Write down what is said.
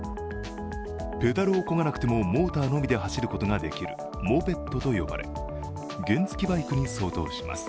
ペダルをこがなくてもモーターのみで走ることができるモペットと呼ばれ、原付バイクに相当します。